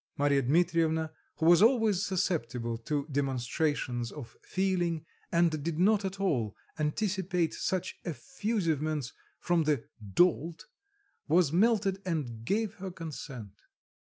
Marya Dmitrievna, who was always susceptible to demonstrations of feeling, and did not at all anticipate such effusivements from the "dolt," was melted and gave her consent.